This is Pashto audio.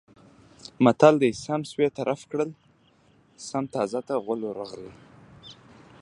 متل دی: سم سوی طرف کړل سم تازي ته غول ورغلل.